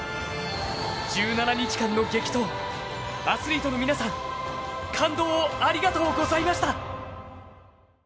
１７日間の激闘、アスリートの皆さん、感動をありがとうございました！